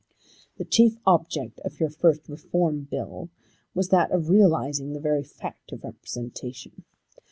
"The chief object of your first Reform Bill was that of realising the very fact of representation.